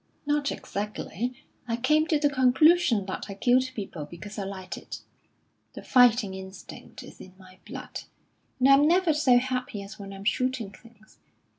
"Not exactly. I came to the conclusion that I killed people because I liked it. The fighting instinct is in my blood, and I'm never so happy as when I'm shooting things.